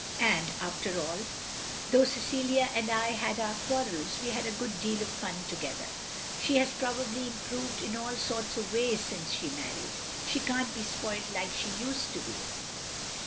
And after all, though Cecilia and I had our quarrels, we had a good deal of fun together too. She has probably improved in all sorts of ways since she married; she can't be spoilt like she used to be.